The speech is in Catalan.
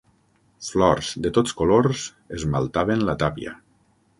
Flors de tots colors esmaltaven la tàpia.